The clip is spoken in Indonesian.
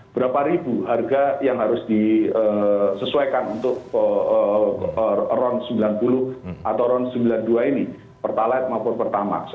berapa ribu harga yang harus disesuaikan untuk ron sembilan puluh atau ron sembilan puluh dua ini pertalite maupun pertamax